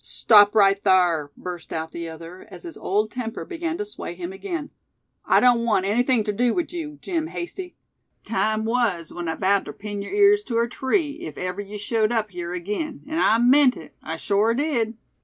"Stop right thar!" burst out the other, as his old temper began to sway him again. "I don't want anything ter do wid yer, Jim Hasty. Time was when I vowed ter pin yer ears ter a tree, if ever ye showed up hyar agin; an' I meant it, I shore did.